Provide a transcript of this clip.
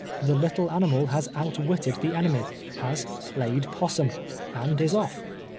The little aninuil has out witted the enemy •— has " played 'possum" — and is off.